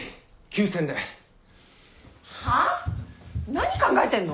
何考えてんの？